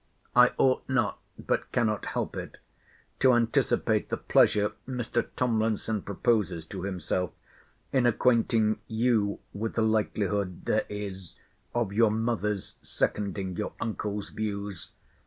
I ought not (but cannot help it) to anticipate the pleasure Mr. Tomlinson proposes to himself, in acquainting you with the likelihood there is of your mother's seconding your uncle's views.